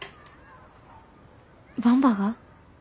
ばんばが？